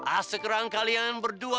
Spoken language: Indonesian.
ah sekarang kalian berdua